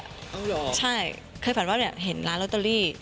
เอาเหรอใช่เคยฝันว่าเนี่ยเห็นร้านลอตเตอรี่